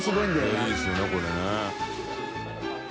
佑いいですよねこれね。